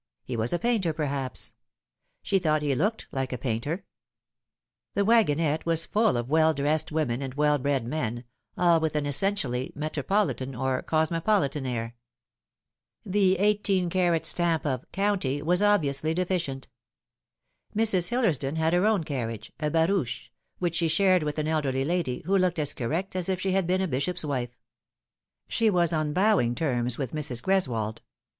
He was a painter, perhaps. She thought he looked like a painter. The wagonette was full of well dressed women and well bred, men, all with an essentially metropolitan or cosmopolitan air. The eighteen carat stamp of " county " was obviously deficient. Mrs. Hillersdon had her own carriage a barouche which she shared with an elderly lady, who looked as correct as if she had been a bishop's wife. She was on bowing terms with Mrs. Greswold.